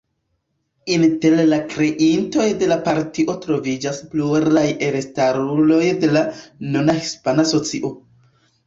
Inter la kreintoj de la partio troviĝas pluraj elstaruloj de la nuna hispana socio.